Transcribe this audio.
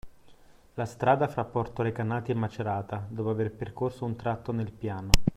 La strada fra Porto Recanati e Macerata, dopo aver percorso un tratto nel piano